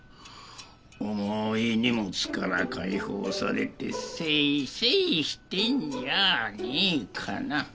重い荷物から解放されて清々してんじゃあねえかな。